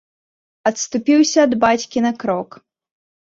Адступіўся ад бацькі на крок.